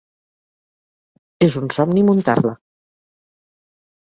És un somni muntar-la.